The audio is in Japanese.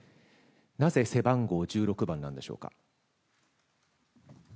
なぜ背番号１６番なんでしょうか。